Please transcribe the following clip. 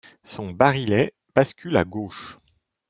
Son barillet bascule à gauche.